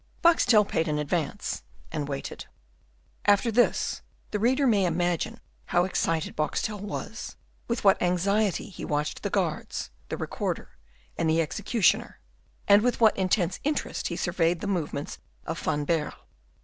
Boxtel paid in advance, and waited. After this, the reader may imagine how excited Boxtel was; with what anxiety he watched the guards, the Recorder, and the executioner; and with what intense interest he surveyed the movements of Van Baerle.